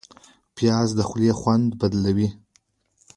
پیاز د خولې خوند بدلوي